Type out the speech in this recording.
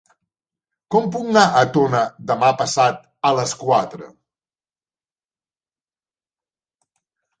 Com puc anar a Tona demà passat a les quatre?